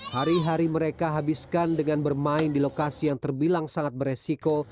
hari hari mereka habiskan dengan bermain di lokasi yang terbilang sangat beresiko